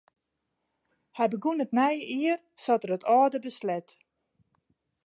Hy begûn it nije jier sa't er it âlde besleat.